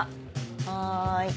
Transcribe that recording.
はい。